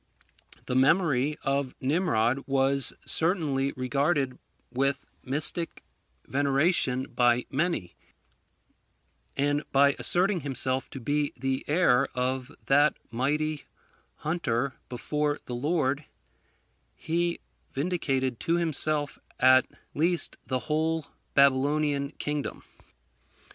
The memory of Nimrod was certainly regarded with mystic veneration by many; and by asserting himself to be the heir of that mighty hunter before the Lord, he vindicated to himself at least the whole Babylonian kingdom.